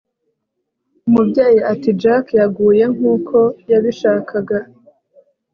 Umubyeyi ati Jack yaguye nkuko yabishakaga